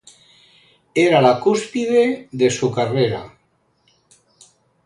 Era la cúspide de su carrera.